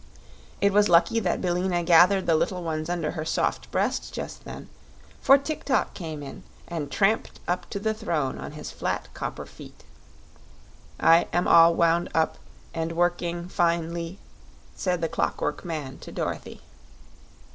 It was lucky that Billina gathered the little ones under her soft breast just then, for Tik tok came in and tramped up to the throne on his flat copper feet. "I am all wound up and work ing fine ly," said the clock work man to Dorothy.